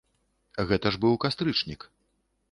Гэта ж быў кастрычнік!